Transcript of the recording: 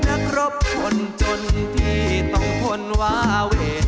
นักรบคนจนพี่ต้องพ้นวาเวท